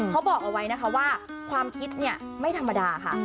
เขาบอกเอาไว้นะคะว่าความคิดเนี่ยไม่ธรรมดาค่ะ